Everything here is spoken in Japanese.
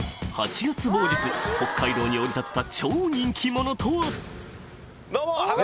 北海道に降り立った超人気者とは？